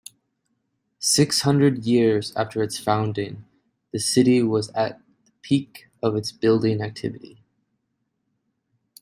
Six hundred years after its founding, the city was at the peak of its building activity.